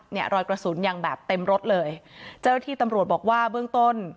รอยกระสุนยังแบบเต็มรถเลยเจ้าหน้าที่ตำรวจบอกว่าเบื้องต้น